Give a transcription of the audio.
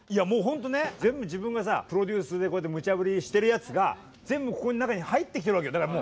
もうホントね全部自分がさプロデュースでムチャブリしてるやつが全部ここの中に入ってきてるわけよ。